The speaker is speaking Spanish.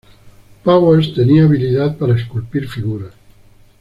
Powers tenía habilidad para esculpir figuras.